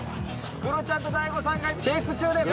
クロちゃんと大悟さんがチェイス中です。